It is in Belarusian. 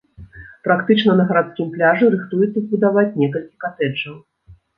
Практычна на гарадскім пляжы рыхтуюцца збудаваць некалькі катэджаў.